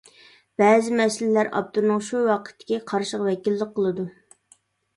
بەزى مەسىلىلەر ئاپتورنىڭ شۇ ۋاقىتتىكى قارىشىغا ۋەكىللىك قىلىدۇ.